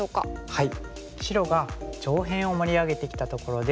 はい。